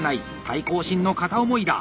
対抗心の片思いだ！